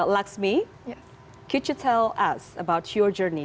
lakshmi bisa beritahu kami tentang perjalanan anda